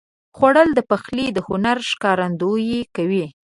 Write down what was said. خوړل د پخلي د هنر ښکارندویي کوي